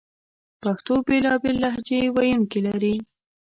پښتو بېلابېل لهجې ویونکې لري